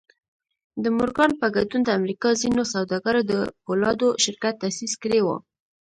د مورګان په ګډون د امريکا ځينو سوداګرو د پولادو شرکت تاسيس کړی و.